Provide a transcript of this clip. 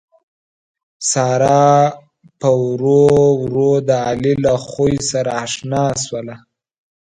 ساره پّ ورو ورو د علي له خوي سره اشنا شوله